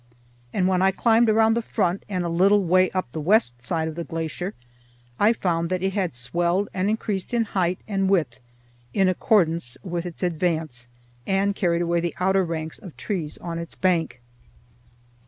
And when I climbed around the front, and a little way up the west side of the glacier, I found that it had swelled and increased in height and width in accordance with its advance, and carried away the outer ranks of trees on its bank.